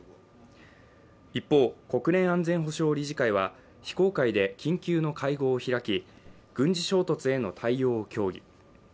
一方国連安全保障理事会は非公開で緊急の会合を開き軍事衝突への対応を協議